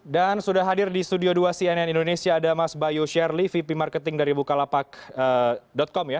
dan sudah hadir di studio dua cnn indonesia ada mas bayu sherly vp marketing dari bukalapak com ya